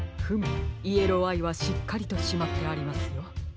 フムイエローアイはしっかりとしまってありますよ。